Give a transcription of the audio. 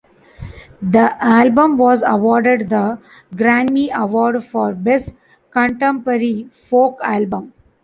The album was awarded the Grammy Award for Best Contemporary Folk Album.